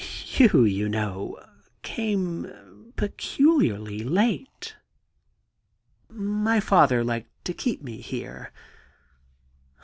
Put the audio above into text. You, you know, came peculiarly late.' * My father liked to have me here